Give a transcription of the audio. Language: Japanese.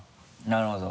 なるほど。